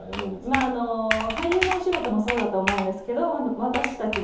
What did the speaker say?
あの俳優のお仕事もそうだと思うんですけど。